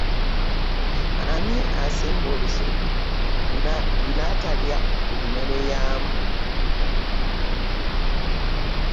Ani asimba olusuku n'atalya ku mmere yaamu?